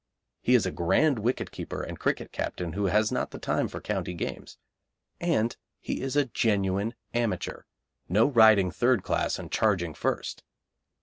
He is a grand wicketkeeper and cricket captain who has not the time for county games. And he is a genuine amateur no riding third class and charging first.